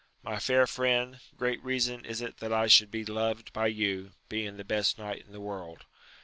My fair friend, great reason is it that I should be loved by you, being the best knight in the world.